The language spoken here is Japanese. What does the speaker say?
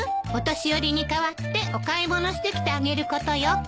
お年寄りに代わってお買い物してきてあげることよ。